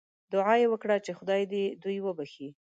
دعا یې وکړه چې خدای دې دوی وبخښي.